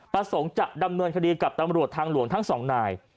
ประสงค์จะดำเนินคดีกับตำรวจทางหลวงทั้งสองนาย